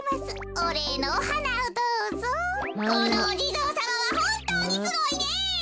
このおじぞうさまはほんとうにすごいね。